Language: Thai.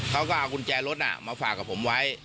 เขาก็เอากุญแจรถมาฝากกับผมไว้